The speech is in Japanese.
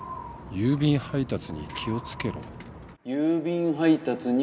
郵便配達には気をつけろ。